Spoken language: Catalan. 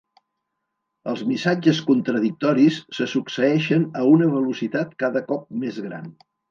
Els missatges contradictoris se succeeixen a una velocitat cada cop més gran.